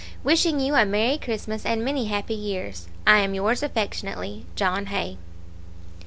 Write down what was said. Wishing you a Merry Christmas and many happy years, I am yours affectionately, JOHN HAY.